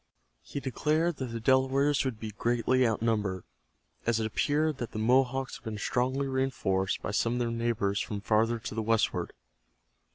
He declared that the Delawares would be greatly outnumbered, as it appeared that the Mohawks had been strongly reinforced by some of their neighbors from farther to the westward.